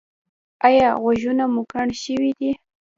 ایا غوږونه مو کڼ شوي دي؟